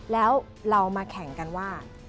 แล้วเรามาแข่งกันว่า